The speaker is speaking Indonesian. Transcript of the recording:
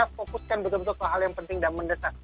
kita fokuskan betul betul ke hal yang penting dan mendesak